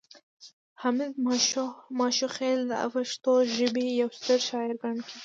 حمید ماشوخیل د پښتو ژبې یو ستر شاعر ګڼل کیږي